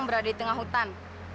berada di tengah hutan